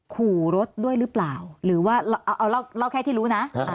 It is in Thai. ขู่รถด้วยหรือเปล่าหรือว่าเอาเล่าแค่ที่รู้นะ